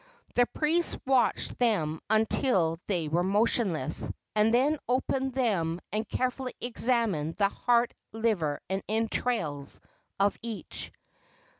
The priest watched them until they were motionless, and then opened them and carefully examined the heart, liver and entrails of each.